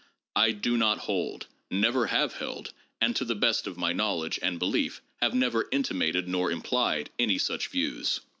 I do not hold, never have held, and, to the best of my knowledge and belief, have never intimated nor implied any such views.